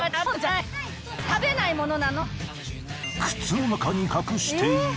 靴の中に隠していた。